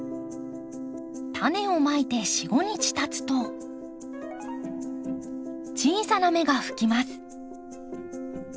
タネをまいて４５日たつと小さな芽が吹きます。